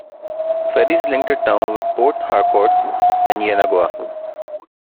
Ferries link the town with Port Harcourt and Yenagoa.